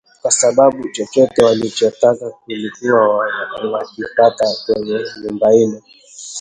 kwa sababu chochote walichotaka walikuwa wanakipata kwenye nyumba ile